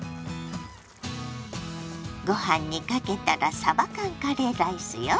ご飯にかけたらさば缶カレーライスよ。